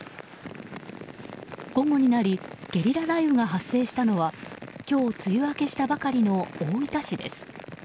午後になりゲリラ雷雨が発生したのは今日、梅雨明けしたばかりの大分市です。